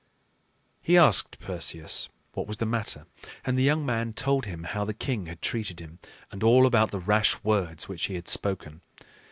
He asked Perseus what was the matter; and the young man told him how the king had treated him, and all about the rash words which he had spoken.